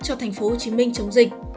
cho tp hcm chống dịch